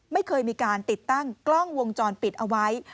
ไม่เคยมีการติดตั้งกล้องวงจรปิดเอาไว้